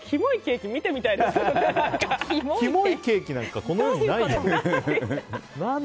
キモいケーキなんかこの世にないよ。